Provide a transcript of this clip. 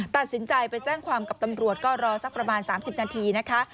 ตัดสินใจไปแจ้งความกับตำรวจก็รอสักประมาณ๓๐นาทีนะคะ